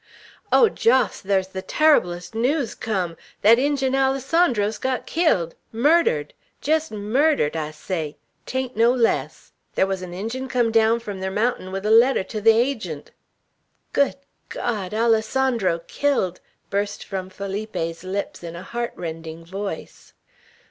"Oh, Jos, thar's the terriblest news come! Thet Injun Alessandro's got killed; murdered; jest murdered, I say; 'tain't no less. Thar wuz an Injun come down from ther mounting with a letter to the Agent." "Good God! Alessandro killed!" burst from Felipe's lips in a heart rending voice.